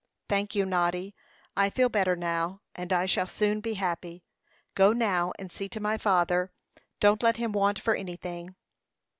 "Thank you, Noddy. I feel better now, and I shall soon be happy. Go now and see to my father; don't let him want for anything."